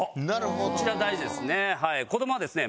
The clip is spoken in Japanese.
こちら大事ですね。